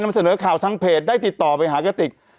นำเสนอข่าวทางเพจได้ติดต่อไปหากติก